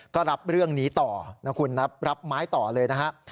ก็รับเรื่องนี้ต่อนะคุณรับไม้ต่อเลยนะฮะ